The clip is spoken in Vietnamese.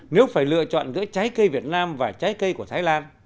nếu phải lựa chọn giữa trái cây việt nam và trái cây của thái lan